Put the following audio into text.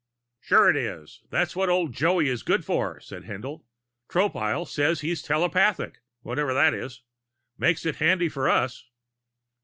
"Sure it is! That's what old Joey is good for," said Haendl. "Tropile says he's telepathic, whatever that is. Makes it handy for us."